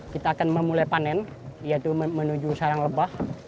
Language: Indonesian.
kita akan memulai panen yaitu menuju sarang lebah